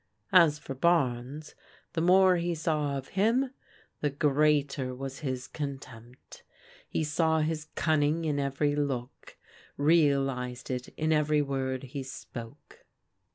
As for Barnes, the more he saw of him, the greater was ELEANOR AND PEGGY DEFIANT 203 his contempt. He saw his cunning in every look, real ized it in every word he spoke.